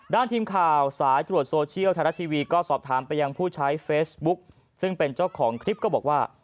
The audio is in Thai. ทีมข่าวสายตรวจโซเชียลไทยรัฐทีวีก็สอบถามไปยังผู้ใช้เฟซบุ๊คซึ่งเป็นเจ้าของคลิปก็บอกว่า